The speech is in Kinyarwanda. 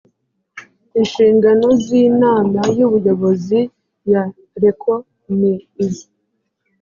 inshingano z inama y’buyobozi ya reco ni izi